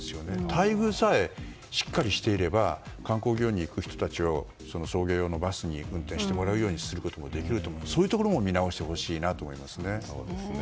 待遇さえしっかりしていれば観光業に行く人たちを送迎用のバス運転にすることもできると思うのでそういうところも見直してほしいです。